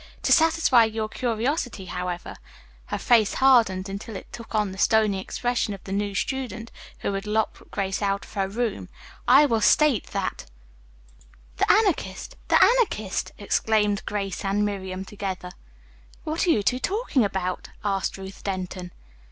To satisfy your curiosity, however," her face hardened until it took on the stony expression of the new student who had locked Grace out of her room, "I will state that " "The Anarchist! the Anarchist!" exclaimed Ruth and Miriam together. "What are you two talking about?" asked Ruth Denton.